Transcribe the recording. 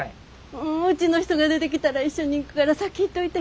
うんうちの人が出てきたら一緒に行くから先行っといて。